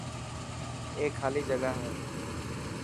اي خالي جگا هي.